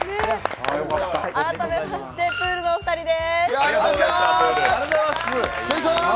改めましてプールのお二人です。